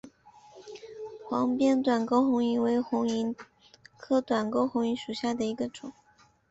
黄边短沟红萤为红萤科短沟红萤属下的一个种。